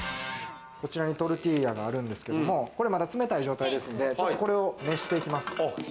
こちらにトルティーヤがあるんですけども、こちら、まだ冷たい状態ですので、ちょっと熱していきます。